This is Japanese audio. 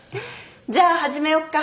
じゃあ始めよっか。